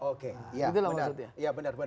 oke ya benar benar